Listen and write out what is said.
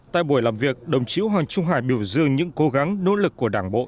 tại buổi làm việc đồng chí hoàng trung hải biểu dương những cố gắng nỗ lực của đảng bộ